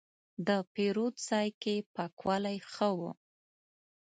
د پیرود ځای کې پاکوالی ښه و.